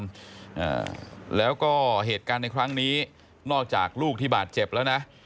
อ่าแล้วก็เหตุการณ์ในครั้งนี้นอกจากลูกที่บาดเจ็บแล้วนะ